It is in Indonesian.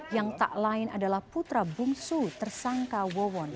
yang tak lain adalah putra bungsu tersangka wawon